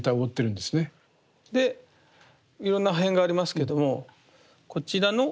でいろんな破片がありますけどもこちらの。